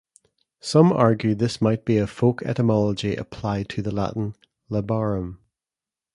Some argue this might be a folk etymology applied to the Latin "labarum".